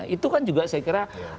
itu kan juga saya kira